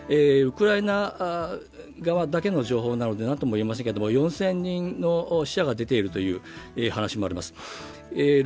ウクライナ側だけの情報なので何ともいえませんが４０００人の死者が出ているという話もあります。